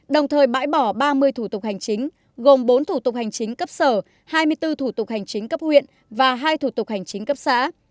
đồng thời bãi bỏ ba mươi thủ tục hành chính gồm bốn thủ tục hành chính cấp sở hai mươi bốn thủ tục hành chính cấp huyện và hai thủ tục hành chính cấp xã